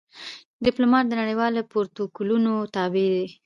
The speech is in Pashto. ډيپلومات د نړېوالو پروتوکولونو تابع وي.